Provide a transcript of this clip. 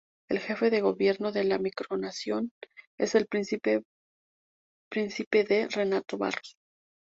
El jefe de gobierno de la micronación es el Príncipe Prince D. Renato Barros.